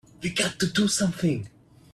We've got to do something!